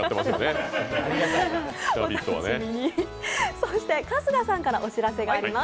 そして春日さんからお知らせがあります。